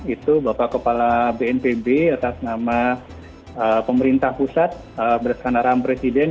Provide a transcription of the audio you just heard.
itu bapak kepala bnpb atas nama pemerintah pusat berdasarkan arahan presiden